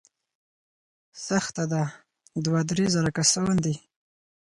سخته ده، دوه، درې زره کسان دي.